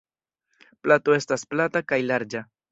Plato estas plata kaj larĝa.